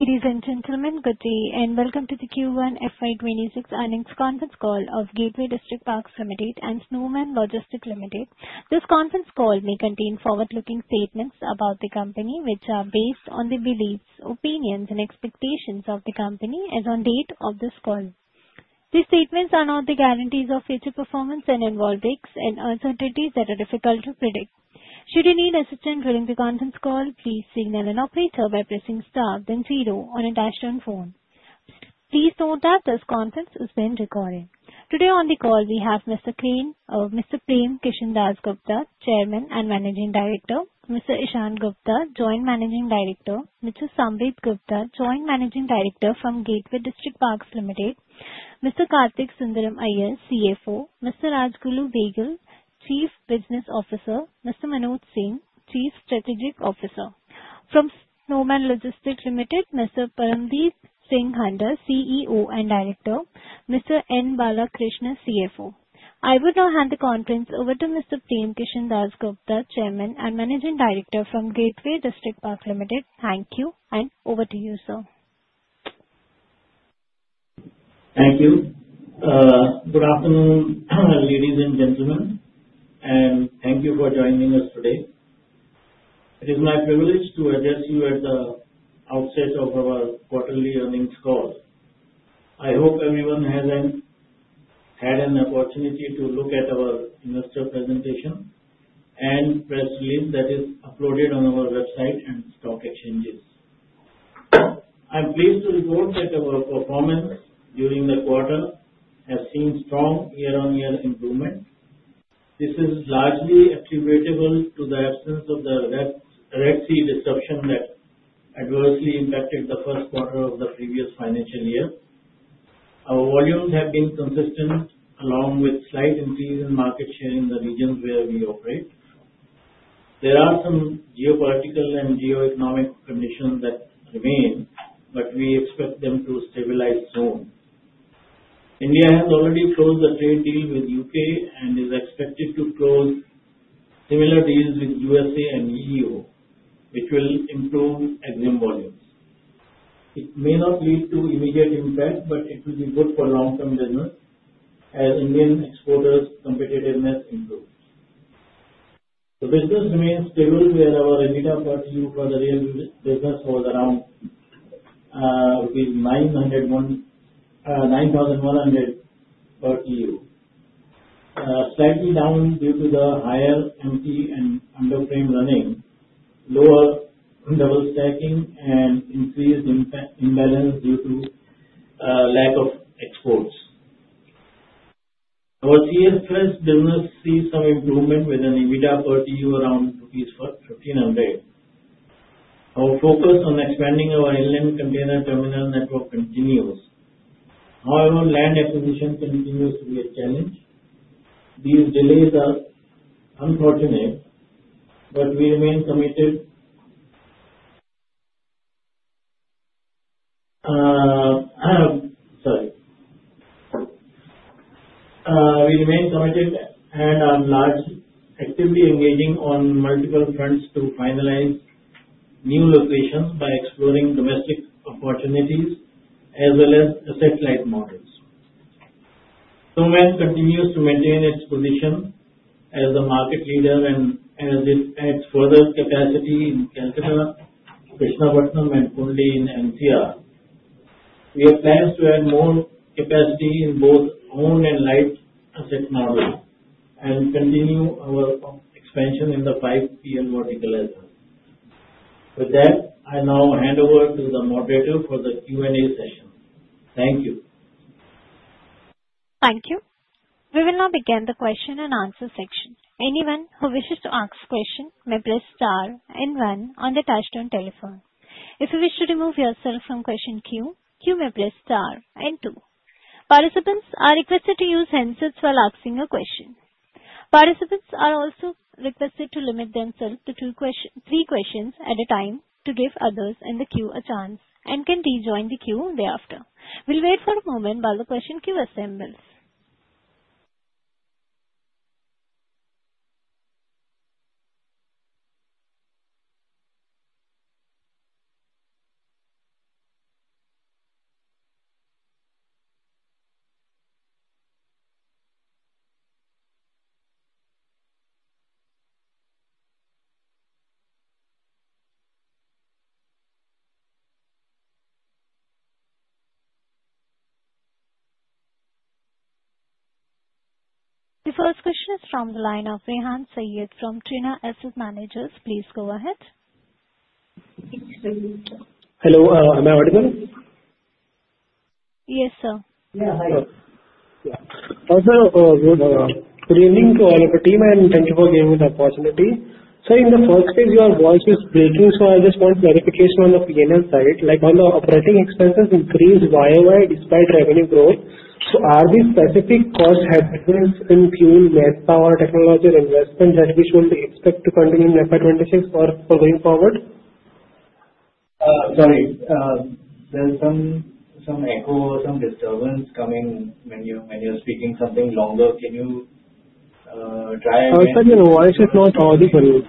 Ladies and gentlemen, good day, and welcome to the Q1 FY26 Earnings Conference Call of Gateway Distriparks Ltd and Snowman Logistics Ltd. This conference call may contain forward-looking statements about the company, which are based on the beliefs, opinions, and expectations of the company as of the date of this call. These statements are not the guarantees of future performance and involve risks and uncertainties that are difficult to predict. Should you need assistance during the conference call, please signal an operator by pressing star then zero on your phone. Please note that this conference is being recorded. Today on the call, we have Mr. Prem Kishan Dass Gupta, Chairman and Managing Director, Mr. Ishaan Gupta, Joint Managing Director, Mr. Samvid Gupta, Joint Managing Director from Gateway Distriparks Ltd, Mr. Kartik Sundaram Aiyer, CFO, Mr. Rajguru Behgal, Chief Business Officer, Mr. Manoj Singh, Chief Strategic Officer. From Snowman Logistics Ltd, Mr. Padamdeep Singh Handa, CEO and Director. Mr. N Balakrishna, CFO. I would now hand the conference over to Mr. Prem Kishan Dass Gupta, Chairman and Managing Director from Gateway Distriparks Ltd. Thank you, and over to you, sir. Thank you. Good afternoon, ladies and gentlemen, and thank you for joining us today. It is my privilege to address you at the outset of our quarterly earnings call. I hope everyone has had an opportunity to look at our investor presentation and press release that is uploaded on our website and stock exchanges. I'm pleased to report that our performance during the quarter has seen strong year-on-year improvement. This is largely attributable to the absence of the Red Sea disruption that adversely impacted the first quarter of the previous financial year. Our volumes have been consistent, along with a slight increase in market share in the regions where we operate. There are some geopolitical and geoeconomic conditions that remain, but we expect them to stabilize soon. India has already closed a trade deal with the U.K. and is expected to close similar deals with the U.S.A. and EU, which will improve EXIM volumes. It may not lead to immediate impact, but it will be good for long-term business as Indian exporters' competitiveness improves. The business remains stable, where our EBITDA per TEU for the rail business was around 9,100 per TEU, slightly down due to the higher empty and underframe running, lower double stacking, and increased imbalance due to lack of exports. Our CFS business sees some improvement with an EBITDA per TEU around 1,500 rupees. Our focus on expanding our inland container terminal network continues. However, land acquisition continues to be a challenge. These delays are unfortunate, but we remain committed and are largely actively engaging on multiple fronts to finalize new locations by exploring domestic opportunities as well as asset-light models. Snowman continues to maintain its position as a market leader and adds further capacity in Kolkata, Krishnapatnam, and Kundli, in NCR. We have plans to add more capacity in both owned and light asset models and continue our expansion in the 5PL vertical as well. With that, I now hand over to the moderator for the Q&A session. Thank you. Thank you. We will now begin the question and answer section. Anyone who wishes to ask a question may press star and one on the touchtone telephone. If you wish to remove yourself from question queue, you may press star and two. Participants are requested to use handsets while asking a question. Participants are also requested to limit themselves to three questions at a time to give others in the queue a chance and can rejoin the queue thereafter. We'll wait for a moment while the question queue assembles. The first question is from the line of Rehan Saiyyed from Trinetra Asset Managers. Please go ahead. Hello. Am I audible? Yes, sir. Yeah. Hi. Also, good evening to all of the team, and thank you for giving me the opportunity. Sir, in the first place, your voice is breaking, so I just want clarification on the P&L side. Like, on the operating expenses increase YoY despite revenue growth, so are these specific costs having influence in fuel, rent, power, technology or investment that we should expect to continue in FY26 or going forward? Sorry. There's some echo, some disturbance coming when you're speaking something longer. Can you try again? Sir, your voice is not audible.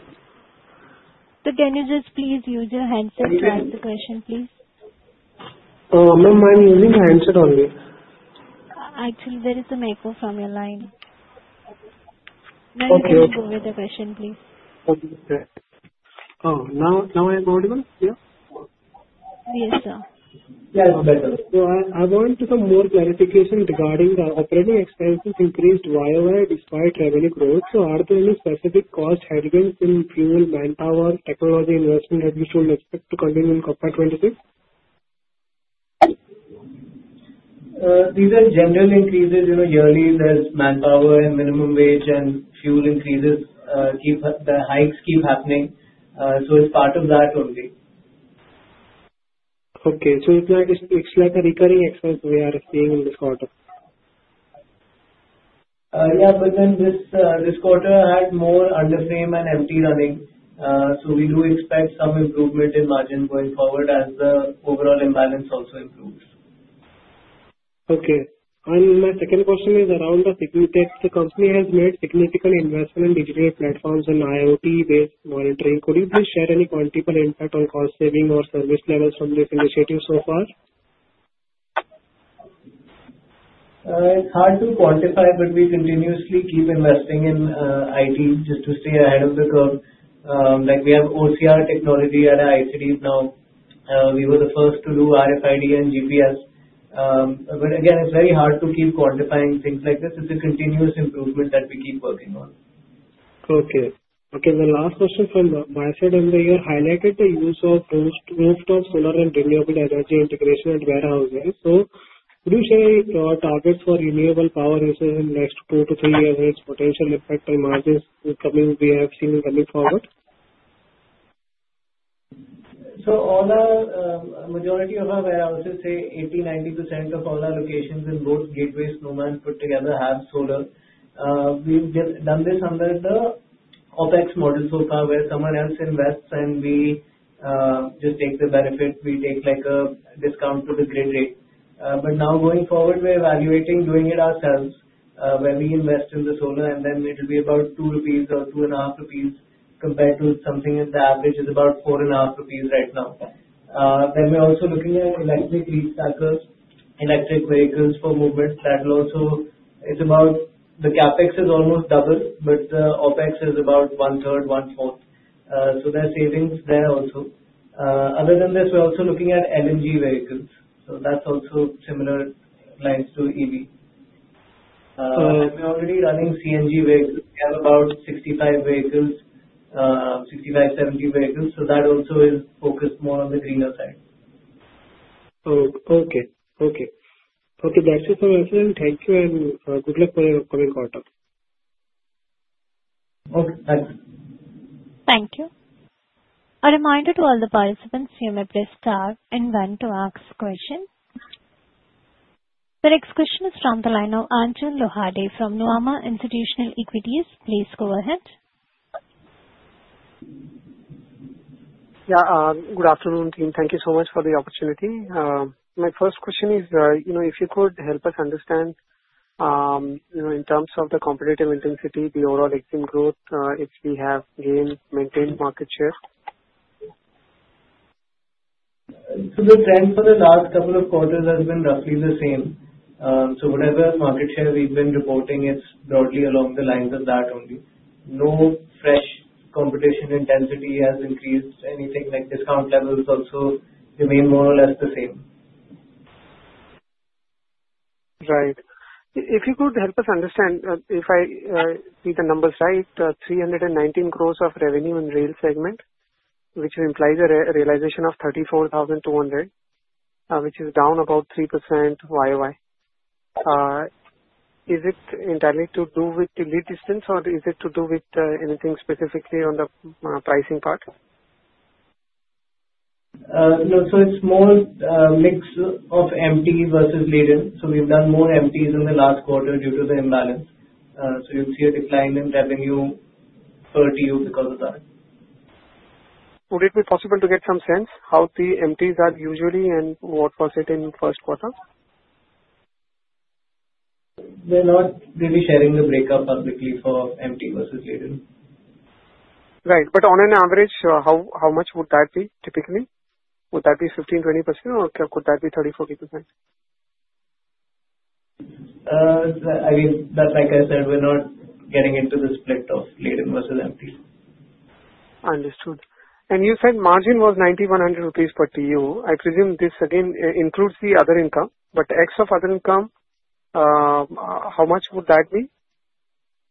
Can you just please use your handset to answer the question, please? Ma'am, I'm using the handset only. Actually, there is some echo from your line. Now you can go with the question, please. Okay. Now I'm audible? Yeah? Yes, sir. Yeah, I'm better. So I want some more clarification regarding the operating expenses increased YoY despite revenue growth. So are there any specific costs having influence in fuel, manpower, technology investment that we should expect to continue in FY26? These are general increases yearly as manpower and minimum wage and fuel increases keep the hikes happening. So it's part of that only. Okay, so it's like a recurring excess we are seeing in this quarter. Yeah. But then this quarter had more underframe and Empty running. So we do expect some improvement in margin going forward as the overall imbalance also improves. Okay, and my second question is around the supply tech. The company has made significant investment in digital platforms and IoT-based monitoring. Could you please share any quantifiable impact on cost saving or service levels from this initiative so far? It's hard to quantify, but we continuously keep investing in IT just to stay ahead of the curve. Like, we have OCR technology at ICT now. We were the first to do RFID and GPS. But again, it's very hard to keep quantifying things like this. It's a continuous improvement that we keep working on. Okay. The last question from my side, you highlighted the use of rooftop solar and renewable energy integration at warehouses. So could you share your targets for renewable power usage in the next two to three years and its potential impact on margins coming we have seen coming forward? So all our majority of our warehouses, say 80%-90% of all our locations in both Gateway Snowman put together have solar. We've done this under the OpEx model so far where someone else invests and we just take the benefit. We take like a discount to the grid rate. But now going forward, we're evaluating doing it ourselves where we invest in the solar, and then it'll be about 2 rupees or 2.5 rupees compared to something in the average is about 4.5 rupees right now. Then we're also looking at electric tricycles, electric vehicles for movement. That will also it's about the CapEx is almost double, but the OpEx is about 1/3, 1/4. So there are savings there also. Other than this, we're also looking at LNG vehicles. So that's also similar lines to EV. We're already running CNG vehicles. We have about 65-70 vehicles. So that also is focused more on the greener side. Okay. That's it for my side. Thank you, and good luck for your upcoming quarter. Okay. Thanks. Thank you. A reminder to all the participants, you may press star and one to ask question. The next question is from the line of Achal Lohade from Nuvama Institutional Equities. Please go ahead. Yeah. Good afternoon, team. Thank you so much for the opportunity. My first question is, if you could help us understand in terms of the competitive intensity, the overall EXIM growth, if we have gained, maintained market share? So the trend for the last couple of quarters has been roughly the same. So whatever market share we've been reporting, it's broadly along the lines of that only. No fresh competition intensity has increased. Anything like discount levels also remain more or less the same. Right. If you could help us understand, if I see the numbers right, 31.9% growth of revenue in rail segment, which implies a realization of 34,200, which is down about 3% YoY. Is it entirely to do with the lead distance, or is it to do with anything specifically on the pricing part? No. So it's more of a mix of empty versus laden. So we've done more empties in the last quarter due to the imbalance. So you'll see a decline in revenue per TEU because of that. Would it be possible to get some sense how the empties are usually and what was it in first quarter? We're not really sharing the breakup publicly for empty versus laden. Right. But on an average, how much would that be typically? Would that be 15%, 20%, or could that be 30%, 40%? I mean, but like I said, we're not getting into the split of laden versus empty. Understood. And you said margin was 9,100 rupees per TEU. I presume this, again, includes the other income. But ex of other income, how much would that be?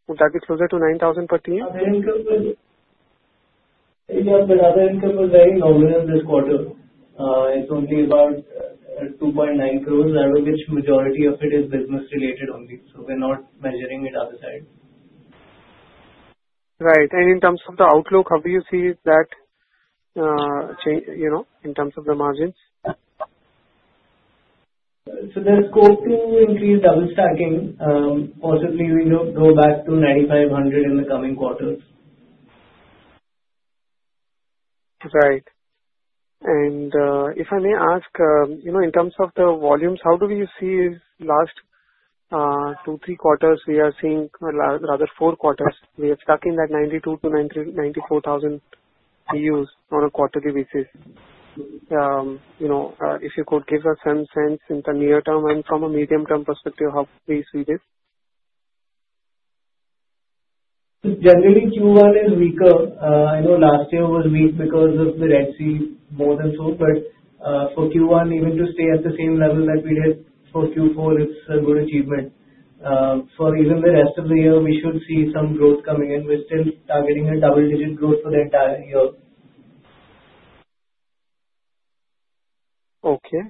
Would that be closer to 9,000 per TEU? Other income was, yeah, but other income was very low this quarter. It's only about 2.9 crores, out of which majority of it is business-related only. So we're not measuring it other side. Right. And in terms of the outlook, how do you see that in terms of the margins? So there's scope to increase double stacking. Possibly, we will go back to 9,500 in the coming quarters. Right. And if I may ask, in terms of the volumes, how do we see last two, three quarters we are seeing, rather four quarters, we have stuck in that 92,000-94,000 TEUs on a quarterly basis? If you could give us some sense in the near term and from a medium-term perspective, how we see this? Generally, Q1 is weaker. I know last year was weak because of the Red Sea more than so. But for Q1, even to stay at the same level that we did for Q4, it's a good achievement. For even the rest of the year, we should see some growth coming in. We're still targeting a double-digit growth for the entire year. Okay.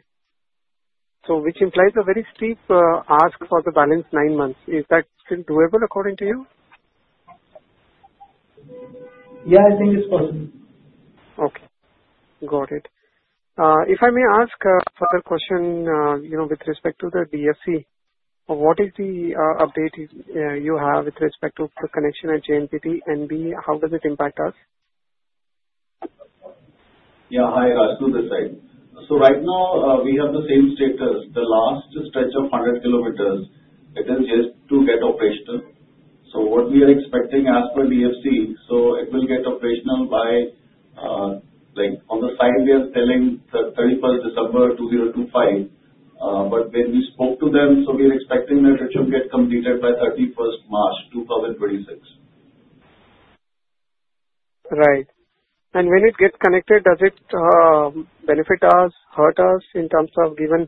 So which implies a very steep ask for the balance nine months. Is that still doable according to you? Yeah, I think it's possible. Okay. Got it. If I may ask a further question with respect to the DFC, what is the update you have with respect to the connection at JNPT and How does it impact us? Yeah. Hi, Rajguru, this side. So right now, we have the same status. The last stretch of 100 km, it is yet to get operational. So what we are expecting as per DFC, so it will get operational by, on their side, we are saying the 31st December 2025. But when we spoke to them, so we are expecting that it should get completed by 31st March 2026. Right. And when it gets connected, does it benefit us, hurt us in terms of given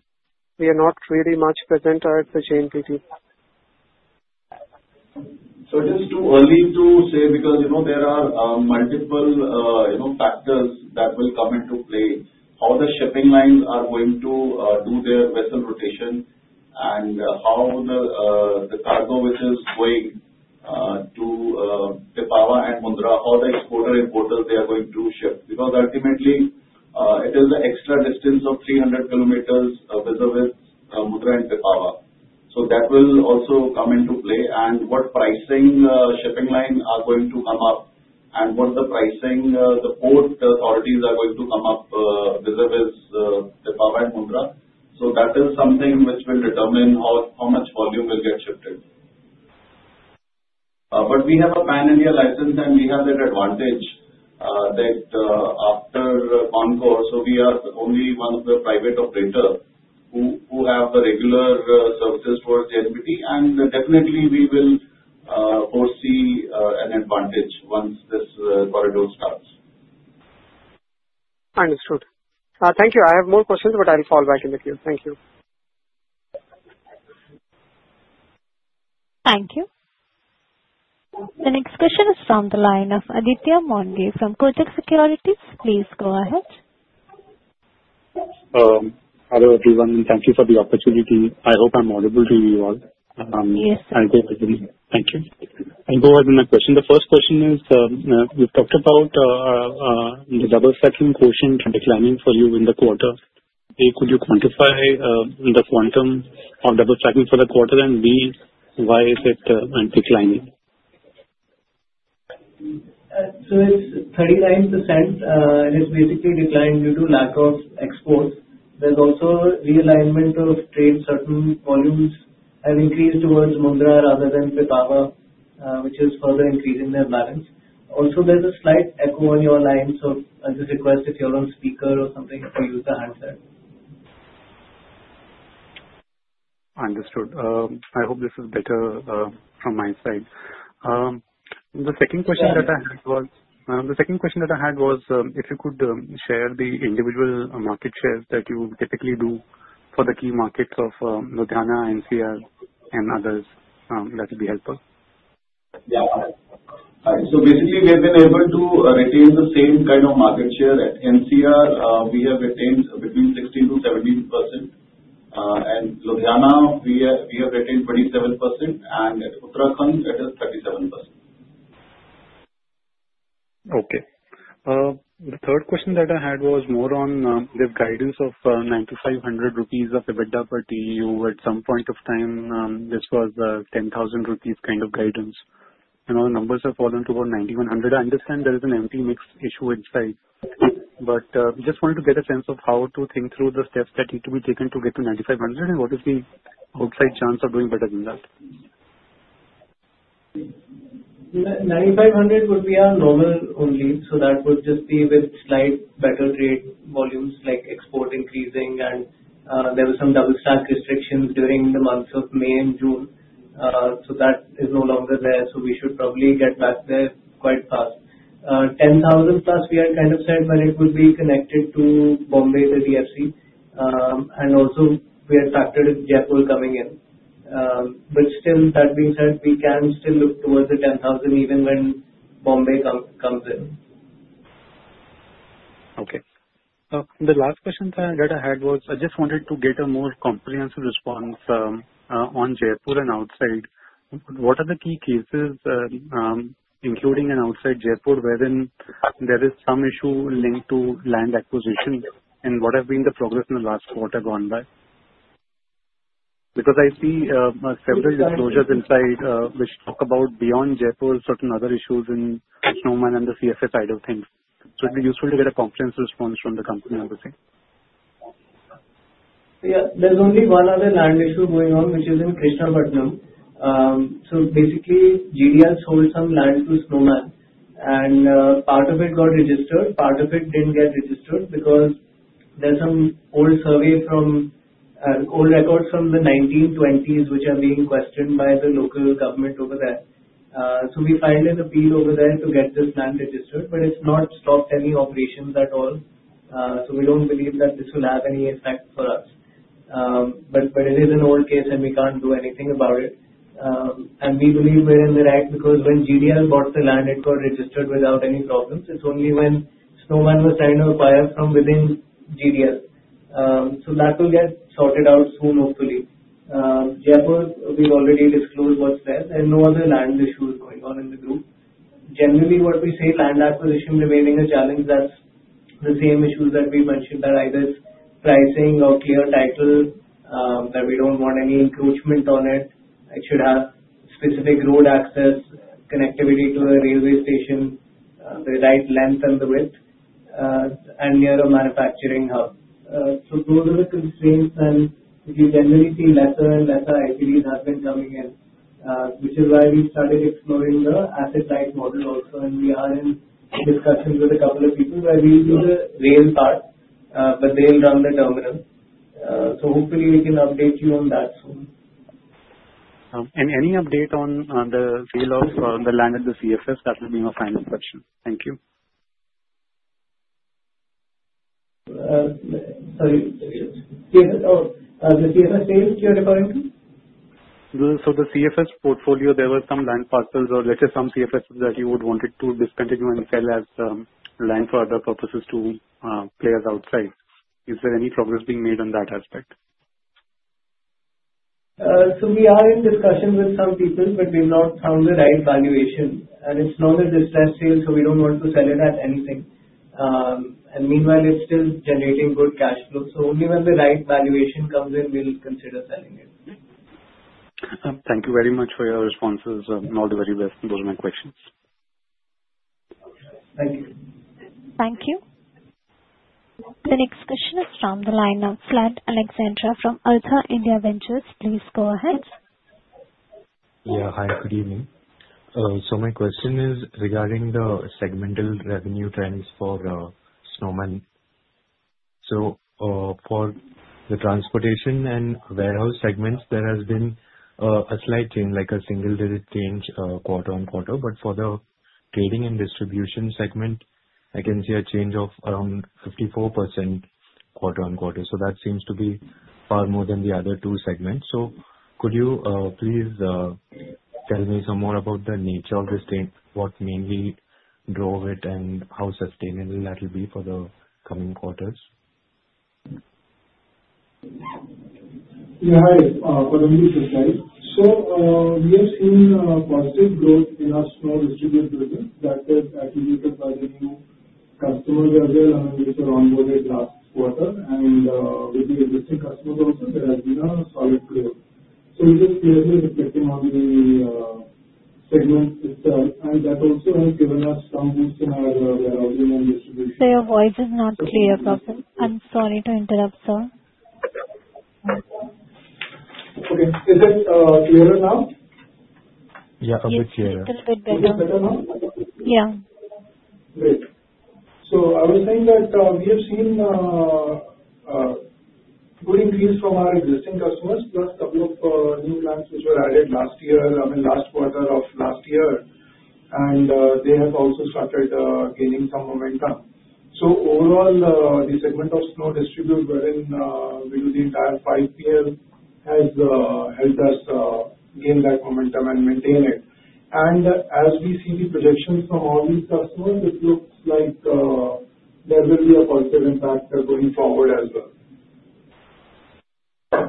we are not really much present at the JNPT? So it is too early to say because there are multiple factors that will come into play. How the shipping lines are going to do their vessel rotation and how the cargo which is going to Pipavav and Mundra, how the exporter-importer, they are going to ship. Because ultimately, it is the extra distance of 300 km vis-à-vis Mundra and Pipavav. So that will also come into play. And what pricing shipping lines are going to come up and what the pricing the port authorities are going to come up vis-à-vis Pipavav and Mundra. So that nis something which will determine how much volume will get shifted. But we have a pan-India license, and we have that advantage that after CONCOR, so we are only one of the private operators who have the regular services towards JNPT. And definitely, we will foresee an advantage once this corridor starts. Understood. Thank you. I have more questions, but I'll fall back in the queue. Thank you. Thank you. The next question is from the line of Aditya Mongia from Kotak Securities. Please go ahead. Hello everyone. Thank you for the opportunity. I hope I'm audible to you all. Yes, sir. Thank you. I'll go ahead with my question. The first question is, we've talked about the double stacking portion declining for you in the quarter. A, could you quantify the quantum of double stacking for the quarter, and B, why is it declining? So it's 39%. It is basically declined due to lack of exports. There's also realignment of trade. Certain volumes have increased towards Mundra rather than Pipavav, which is further increasing their balance. Also, there's a slight echo on your line, so I just request if you're on speaker or something to use the handset. Understood. I hope this is better from my side. The second question that I had was if you could share the individual market shares that you typically do for the key markets of Ludhiana, NCR, and others. That would be helpful. Yeah. So basically, we have been able to retain the same kind of market share at NCR. We have retained between 16%-17%. And Ludhiana, we have retained 27%, and at Uttarakhand, it is 37%. Okay. The third question that I had was more on the guidance of 9,500 rupees of EBITDA per TEU. At some point of time, this was 10,000 rupees kind of guidance. And all the numbers have fallen to about 9,100. I understand there is an empty mix issue inside. But we just wanted to get a sense of how to think through the steps that need to be taken to get to 9,500, and what is the outside chance of doing better than that? 9,500 would be our normal only. So that would just be with slight better trade volumes, like export increasing, and there were some double stack restrictions during the months of May and June. So that is no longer there. So we should probably get back there quite fast. 10,000+, we are kind of set, but it would be connected to Bombay, the DFC. And also, we are factored in Jaipur coming in. But still, that being said, we can still look towards the 10,000 even when Bombay comes in. Okay. The last question that I had was I just wanted to get a more comprehensive response on Jaipur and outside. What are the key cases, including outside Jaipur, wherein there is some issue linked to land acquisition? And what have been the progress in the last quarter gone by? Because I see several disclosures issued which talk about beyond Jaipur, certain other issues in Snowman and the CFS side of things. So it would be useful to get a comprehensive response from the company on this thing. Yeah. There's only one other land issue going on, which is in Krishnapatnam. So basically, GDL sold some land to Snowman, and part of it got registered, part of it didn't get registered because there's some old survey from old records from the 1920s, which are being questioned by the local government over there. So we filed an appeal over there to get this land registered, but it's not stopped any operations at all. So we don't believe that this will have any effect for us. But it is an old case, and we can't do anything about it. And we believe we're in the right because when GDL bought the land, it got registered without any problems. It's only when Snowman was trying to acquire from within GDL. So that will get sorted out soon, hopefully. Jaipur, we've already disclosed what's there. There are no other land issues going on in the group. Generally, what we say, land acquisition remaining a challenge, that's the same issues that we mentioned that either it's pricing or clear title, that we don't want any encroachment on it. It should have specific road access, connectivity to a railway station, the right length and the width, and near a manufacturing hub. So those are the constraints. And we generally see lesser and lesser ICDs have been coming in, which is why we started exploring the asset-light model also. And we are in discussions with a couple of people where we'll do the rail part, but they'll run the terminal. So hopefully, we can update you on that soon. Any update on the sale of the land at the CFS? That will be my final question. Thank you. Sorry. The CFS sales, you are referring to? So the CFS portfolio, there were some land parcels or let's say some CFSs that you would want it to discontinue and sell as land for other purposes to players outside. Is there any progress being made on that aspect? So we are in discussion with some people, but we've not found the right valuation. And it's not a distressed sale, so we don't want to sell it at anything. And meanwhile, it's still generating good cash flow. So only when the right valuation comes in, we'll consider selling it. Thank you very much for your responses. All the very best. Those are my questions. Thank you. Thank you. The next question is from the line of [Vlad Alexandra] from Artha India Ventures. Please go ahead. Yeah. Hi, good evening. So my question is regarding the segmental revenue trends for Snowman. So for the transportation and warehouse segments, there has been a slight change, like a single-digit change quarter on quarter. But for the trading and distribution segment, I can see a change of around 54% quarter-on-quarter. So that seems to be far more than the other two segments. So could you please tell me some more about the nature of this change, what mainly drove it, and how sustainable that will be for the coming quarters? Yeah. Hi, Padamdeep Singh. So we have seen positive growth in our Snow distribution business. That is attributed by the new customers as well, which were onboarded last quarter. And with the existing customers also, there has been a solid growth. So it is clearly reflecting on the segment itself. And that also has given us some boost in our warehousing and distribution. The voice is not clear, [Robin]. I'm sorry to interrupt, sir. Okay. Is it clearer now? Yeah, a bit clearer. Is it a bit better now? Yeah. Great. So I was saying that we have seen good increase from our existing customers, plus a couple of new plants which were added last year, I mean, last quarter of last year. And they have also started gaining some momentum. So overall, the segment of SnowDistribute, wherein we do the entire 5PL, has helped us gain that momentum and maintain it. And as we see the projections from all these customers, it looks like there will be a positive impact going forward as well.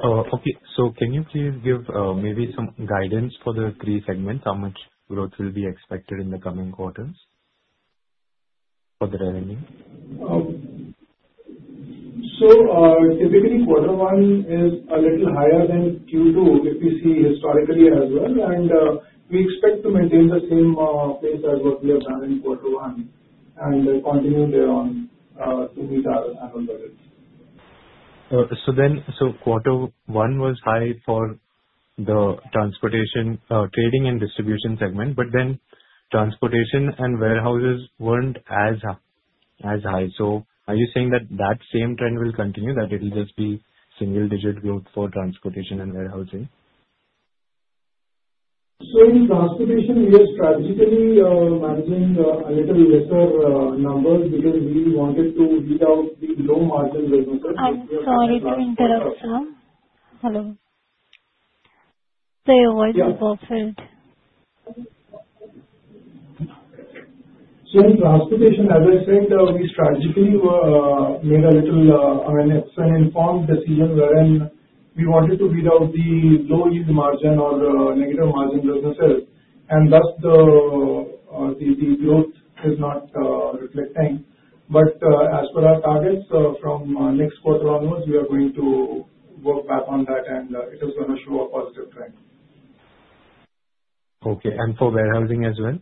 Okay. So can you please give maybe some guidance for the three segments? How much growth will be expected in the coming quarters for the revenue? So typically, quarter one is a little higher than Q2, if we see historically as well. And we expect to maintain the same pace as what we have done in quarter one and continue thereon to meet our annual budgets. So quarter one was high for the transportation, trading, and distribution segment, but then transportation and warehouses weren't as high. So are you saying that that same trend will continue, that it will just be single-digit growth for transportation and warehousing? So in transportation, we are strategically managing a little lesser numbers because we wanted to weed out the low-margin businesses. Sorry to interrupt, sir. Hello. The voice is off. So in transportation, as I said, we strategically made an informed decision wherein we wanted to weed out the low-end margin or negative margin businesses, and thus the growth is not reflecting, but as per our targets from next quarter onwards, we are going to work back on that, and it is going to show a positive trend. Okay. And for warehousing as well?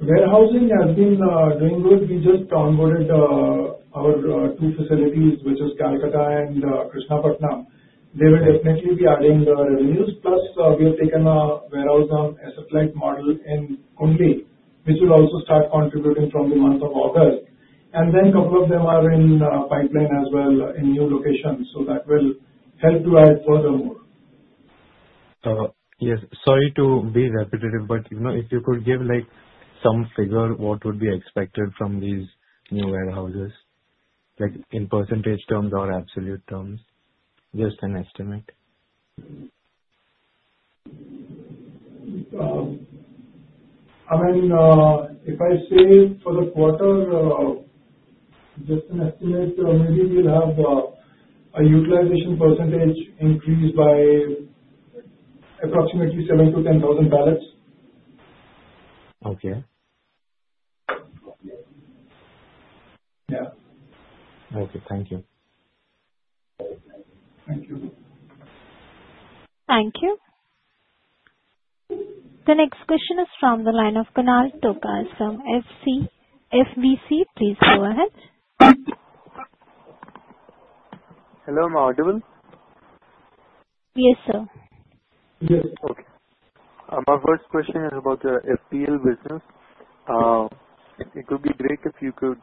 Warehousing has been doing good. We just onboarded our two facilities, which are Kolkata and Krishnapatnam. They will definitely be adding revenues. Plus, we have taken a warehouse on asset-light model in Kundli, which will also start contributing from the month of August. And then a couple of them are in pipeline as well in new locations. So that will help to add further more. Yes. Sorry to be repetitive, but if you could give some figure, what would be expected from these new warehouses, in percentage terms or absolute terms, just an estimate? I mean, if I say for the quarter, just an estimate, maybe we'll have a utilization percentage increase by approximately seven to 10,000 pallets. Okay. Yeah. Okay. Thank you. Thank you. Thank you. The next question is from the line of Kunal Tokas from FVC. Please go ahead. Hello. Am I audible? Yes, sir. Yes. Okay. My first question is about your 5PL business. It would be great if you could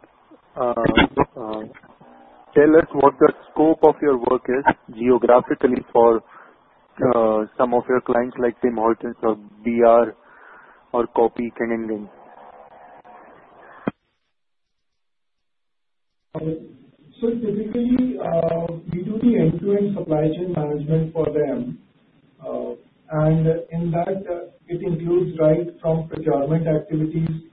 tell us what the scope of your work is geographically for some of your clients like Tim Hortons or BR or Keventers? Typically, we do the end-to-end supply chain management for them. And in that, it includes right from procurement activities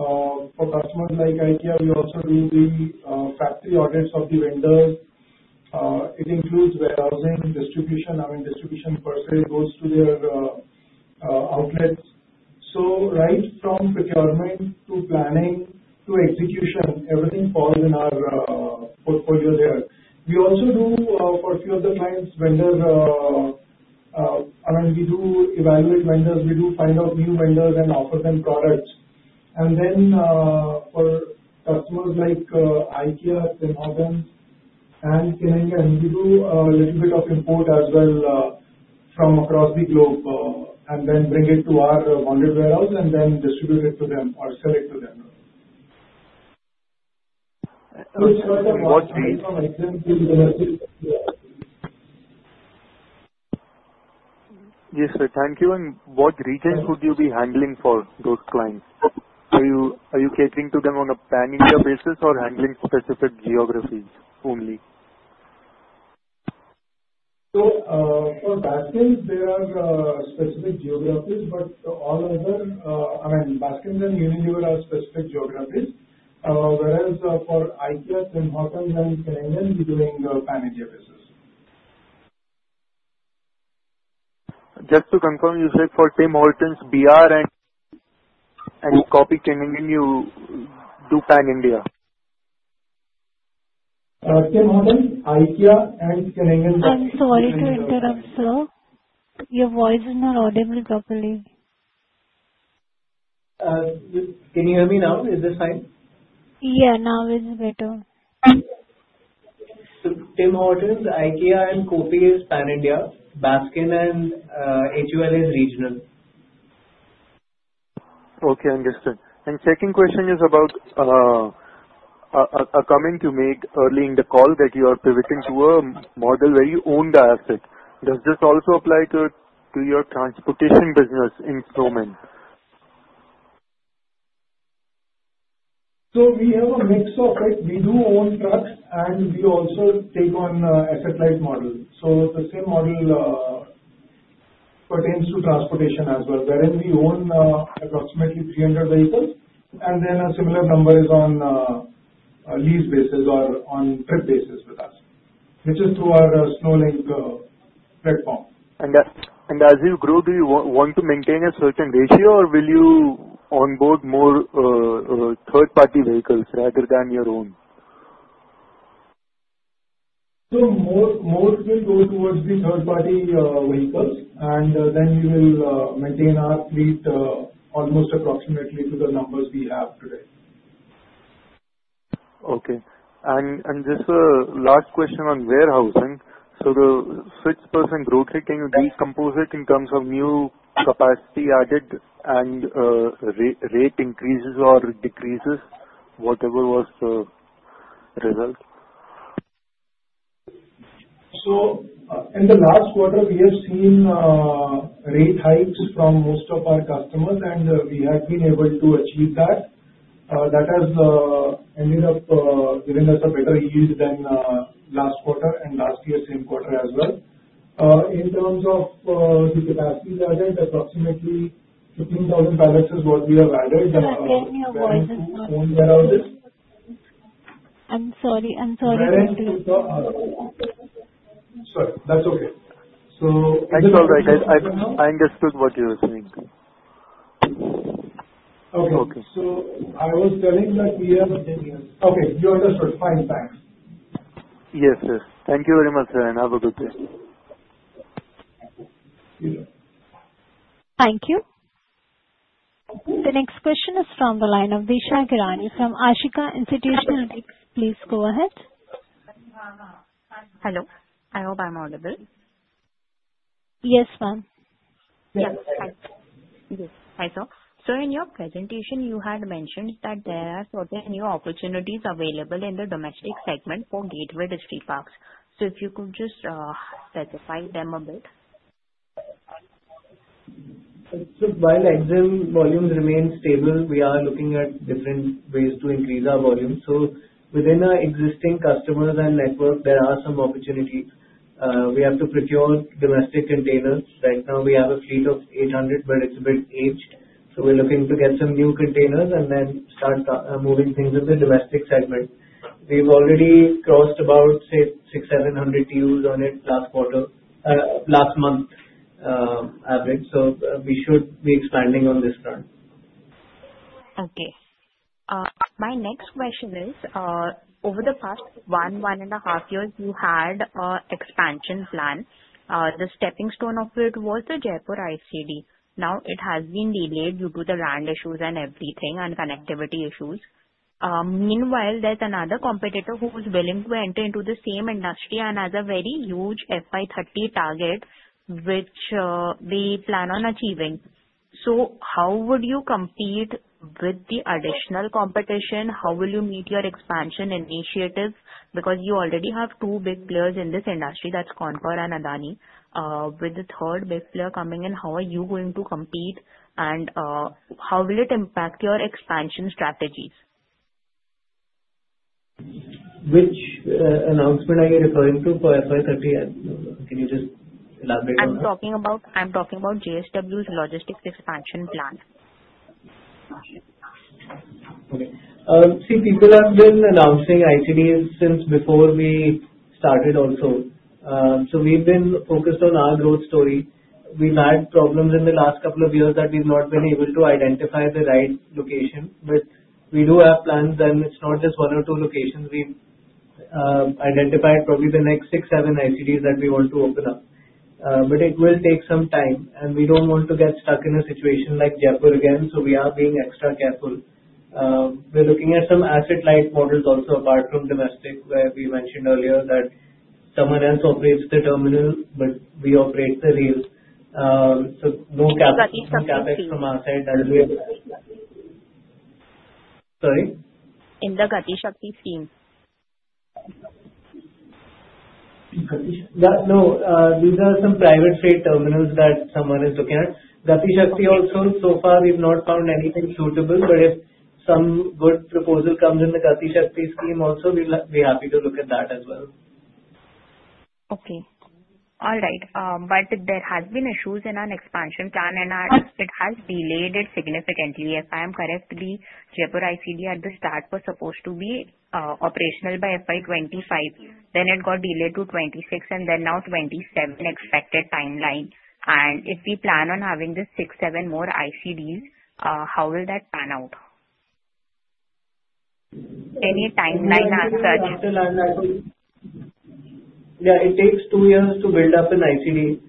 for customers like IKEA. We also do the factory audits of the vendors. It includes warehousing, distribution. I mean, distribution per se goes to their outlets. Right from procurement to planning to execution, everything falls in our portfolio there. We also do, for a few of the clients, vendor. I mean, we do evaluate vendors. We do find out new vendors and offer them products. And then for customers like IKEA, Tim Hortons, and Keventers, we do a little bit of import as well from across the globe and then bring it to our bonded warehouse and then distribute it to them or sell it to them. What region? Yes, sir. Thank you. And what region would you be handling for those clients? Are you catering to them on a pan-India basis or handling specific geographies only? So for Baskins, there are specific geographies, but all other I mean, Baskins and Unilever are specific geographies, whereas for IKEA, Tim Hortons, and Keventers, we're doing pan-India basis. Just to confirm, you said for Tim Hortons, BR, and Keventers, you do pan-India? Tim Hortons, IKEA, and Keventers. I'm sorry to interrupt, sir. Your voice is not audible properly. Can you hear me now? Is this fine? Yeah. Now it's better. Tim Hortons, IKEA, and Keventers is pan-India. Baskins and HUL is regional. Okay. Understood. And second question is about a comment you made early in the call that you are pivoting to a model where you own the asset. Does this also apply to your transportation business in Snowman? We have a mix of it. We do own trucks, and we also take on asset-light models. The same model pertains to transportation as well, wherein we own approximately 300 vehicles, and then a similar number is on lease basis or on trip basis with us, which is through our SnowLink platform. As you grow, do you want to maintain a certain ratio, or will you onboard more third-party vehicles rather than your own? So most will go towards the third-party vehicles, and then we will maintain our fleet almost approximately to the numbers we have today. Okay. And just a last question on warehousing. So the 6% growth rate, can you decompose it in terms of new capacity added and rate increases or decreases, whatever was the result? So in the last quarter, we have seen rate hikes from most of our customers, and we have been able to achieve that. That has ended up giving us a better yield than last quarter and last year's same quarter as well. In terms of the capacity target, approximately 15,000 pallets is what we have added. I heard your voice. Own warehouses. I'm sorry. I'm sorry to interrupt. Sorry. That's okay. So. It's all right. I understood what you were saying. Okay, so I was telling that we have. Okay. You understood. Fine. Thanks. Yes, sir. Thank you very much, sir, and have a good day. You too. Thank you. The next question is from the line of Disha Giria from Ashika Institutional Equities. Please go ahead. Hello. I hope I'm audible. Yes, ma'am. Yes. Thank you. Hi, sir. So in your presentation, you had mentioned that there are certain new opportunities available in the domestic segment for Gateway Distriparks. So if you could just specify them a bit? So while EXIM volumes remain stable, we are looking at different ways to increase our volume. So within our existing customers and network, there are some opportunities. We have to procure domestic containers. Right now, we have a fleet of 800, but it's a bit aged. So we're looking to get some new containers and then start moving things in the domestic segment. We've already crossed about, say, 600-700 TEUs on it last month, average. So we should be expanding on this front. Okay. My next question is, over the past one, one and a half years, you had an expansion plan. The stepping stone of it was the Jaipur ICD. Now, it has been delayed due to the land issues and everything and connectivity issues. Meanwhile, there's another competitor who is willing to enter into the same industry and has a very huge FY30 target, which they plan on achieving. So how would you compete with the additional competition? How will you meet your expansion initiatives? Because you already have two big players in this industry. That's CONCOR and Adani. With the third big player coming in, how are you going to compete? And how will it impact your expansion strategies? Which announcement are you referring to for FY30? Can you just elaborate on that? I'm talking about JSW's logistics expansion plan. Okay. See, people have been announcing ICDs since before we started also. So we've been focused on our growth story. We've had problems in the last couple of years that we've not been able to identify the right location. But we do have plans, and it's not just one or two locations. We've identified probably the next six, seven ICDs that we want to open up. But it will take some time, and we don't want to get stuck in a situation like Jaipur again. So we are being extra careful. We're looking at some asset-light models also, apart from domestic, where we mentioned earlier that someone else operates the terminal, but we operate the rail. So no CapEx from our side as well. Sorry? In the Gati Shakti scheme? No. These are some private trade terminals that someone is looking at. Gati Shakti also, so far, we've not found anything suitable. But if some good proposal comes in the Gati Shakti scheme also, we'll be happy to look at that as well. Okay. All right. But there have been issues in our expansion plan, and it has delayed it significantly. If I am correct, the Jaipur ICD at the start was supposed to be operational by FY2025. Then it got delayed to 2026, and then now 2027 expected timeline. And if we plan on having the six, seven more ICDs, how will that pan out? Any timeline as such? Yeah. It takes two years to build up an ICD.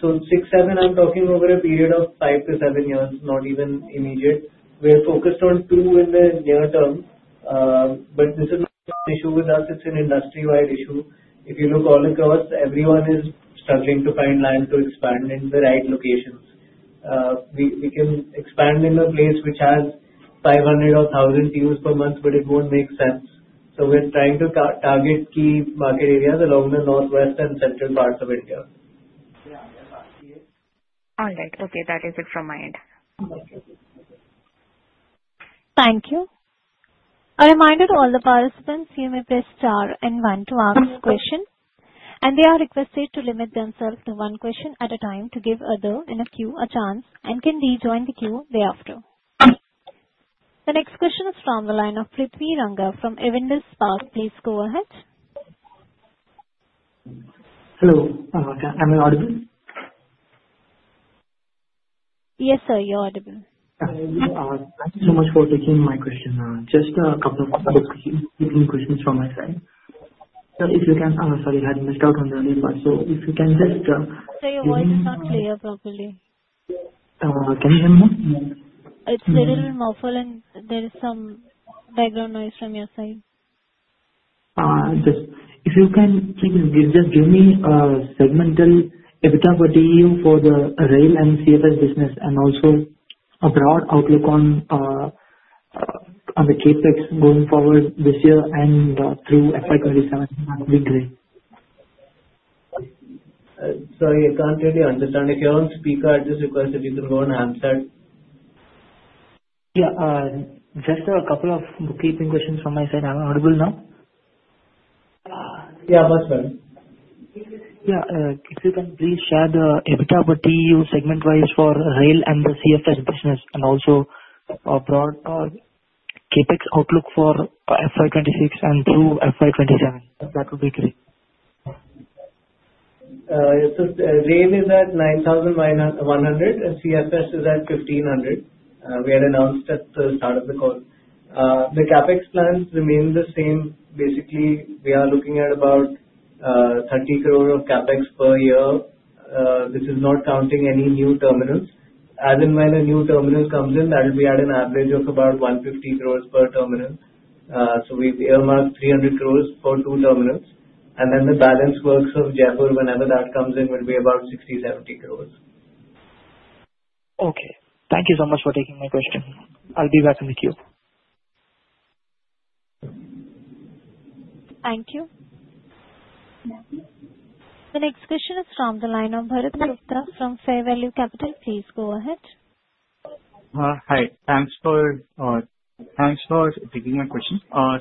So six, seven, I'm talking over a period of five to seven years, not even immediate. We're focused on two in the near term. But this is not an issue with us. It's an industry-wide issue. If you look all across, everyone is struggling to find land to expand in the right locations. We can expand in a place which has 500 or 1,000 TEUs per month, but it won't make sense. So we're trying to target key market areas along the northwest and central parts of India. All right. Okay. That is it from my end. Thank you. A reminder to all the participants, you may press star and one to ask a question. And they are requested to limit themselves to one question at a time to give others in a queue a chance and can rejoin the queue thereafter. The next question is from the line of Prithvi Ranga from Avendus Spark. Please go ahead. Hello. I'm audible? Yes, sir. You're audible. Thank you so much for taking my question. Just a couple of quick questions from my side. So if you can, sorry, I had missed out on the earlier part. So if you can just. Sorry, your voice is not clear properly. Can you hear me now? It's a little muffled, and there is some background noise from your side. If you can please just give me a segmental EBITDA per TEU for the rail and CFS business and also a broad outlook on the CapEx going forward this year and through FY27. That would be great. Sorry, I can't really understand. If you're on speaker, I just request that you can go on handset. Yeah. Just a couple of bookkeeping questions from my side. I'm audible now? Yeah. That's fine. Yeah. If you can please share the EBITDA per TEU segment-wise for rail and the CFS business and also a broad CapEx outlook for FY26 and through FY27. That would be great. Yes. Rail is at 9,100, and CFS is at 1,500. We had announced at the start of the call. The CapEx plans remain the same. Basically, we are looking at about 30 crore of CapEx per year. This is not counting any new terminals. As in when a new terminal comes in, that will be at an average of about 150 crores per terminal. So we've earmarked 300 crores for two terminals. And then the balance works of Jaipur, whenever that comes in, will be about 60-70 crores. Okay. Thank you so much for taking my question. I'll be back in the queue. Thank you. The next question is from the line of Bharat Gupta from Fair Value Capital. Please go ahead. Hi. Thanks for taking my question.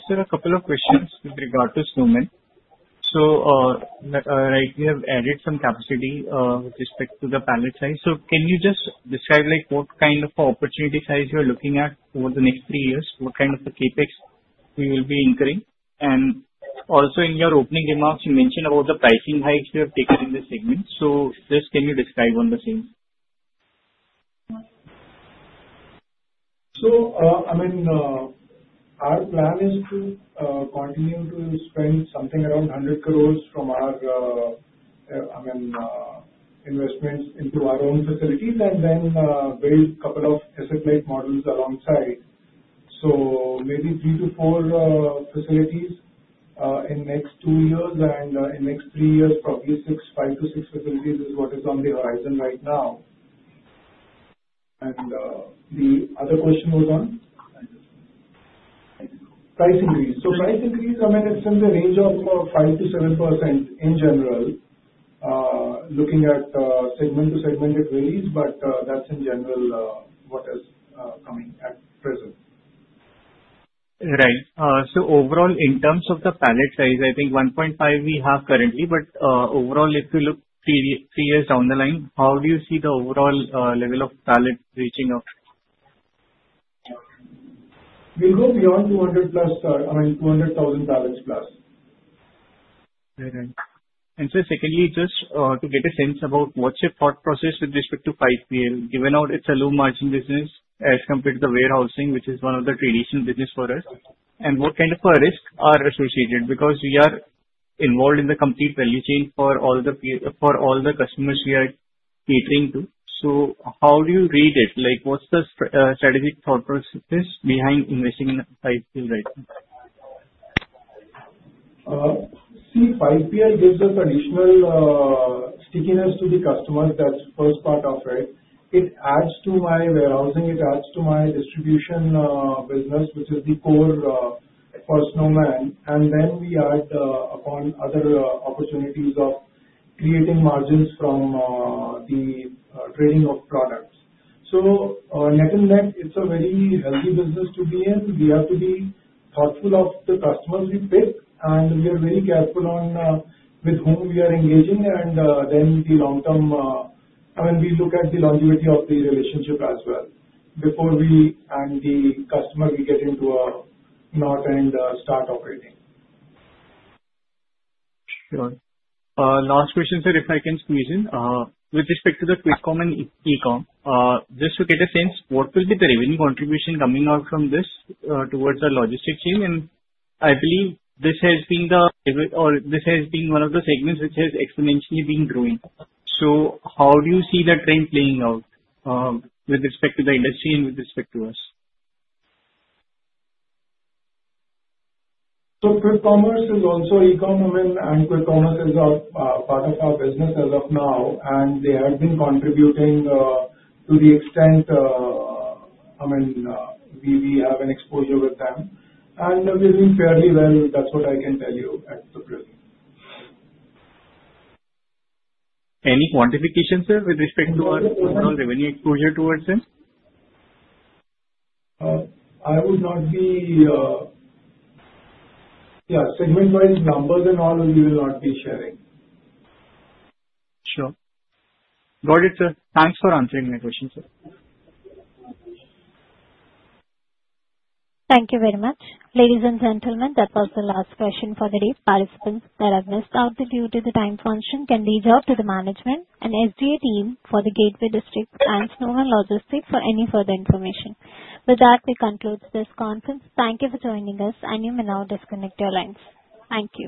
Sir, a couple of questions with regard to Snowman. So right, we have added some capacity with respect to the pallet size. So can you just describe what kind of opportunity size you're looking at over the next three years? What kind of the CapEx we will be incurring? And also in your opening remarks, you mentioned about the pricing hikes you have taken in the segment. So just can you describe on the same? I mean, our plan is to continue to spend something around 100 crores from our, I mean, investments into our own facilities and then build a couple of asset-light models alongside. So maybe three to four facilities in the next two years and in the next three years, probably five to six facilities is what is on the horizon right now. And the other question was on price increase. So price increase, I mean, it's in the range of 5%-7% in general, looking at segment to segment it varies, but that's in general what is coming at present. Right. So overall, in terms of the pallet size, I think 1.5 we have currently. But overall, if you look three years down the line, how do you see the overall level of pallet reaching out? We go beyond 200+, I mean, 200,000 pallets plus. All right. And so secondly, just to get a sense about what's your thought process with respect to 5PL, given how it's a low-margin business as compared to the warehousing, which is one of the traditional business for us, and what kind of risks are associated because we are involved in the complete value chain for all the customers we are catering to. So how do you read it? What's the strategic thought process behind investing in 5PL right now? See, 5PL gives us additional stickiness to the customers. That's the first part of it. It adds to my warehousing. It adds to my distribution business, which is the core for Snowman. And then we add upon other opportunities of creating margins from the trading of products. So net in net, it's a very healthy business to be in. We have to be thoughtful of the customers we pick, and we are very careful with whom we are engaging. And then the long-term, I mean, we look at the longevity of the relationship as well before we and the customer we get into a contract and start operating. Sure. Last question, sir, if I can squeeze in. With respect to the Quick com and Ecom, just to get a sense, what will be the revenue contribution coming out from this towards the logistics team? And I believe this has been one of the segments which has exponentially been growing. So how do you see that trend playing out with respect to the industry and with respect to us? Quick commerce is also Ecom, I mean, and Quick commerce is a part of our business as of now. And they have been contributing to the extent, I mean, we have an exposure with them. And we've been fairly well. That's what I can tell you at the present. Any quantification, sir, with respect to our overall revenue exposure towards them? I would not be, yeah, segment-wise numbers and all. We will not be sharing. Sure. Got it, sir. Thanks for answering my question, sir. Thank you very much. Ladies and gentlemen, that was the last question for the day. Participants that have missed out due to the time function can reach out to the management and SGA team for the Gateway Distriparks and Snowman Logistics for any further information. With that, we conclude this conference. Thank you for joining us, and you may now disconnect your lines. Thank you.